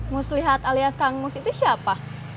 muslihat alias kang mus itu siapa